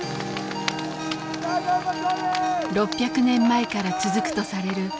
６００年前から続くとされる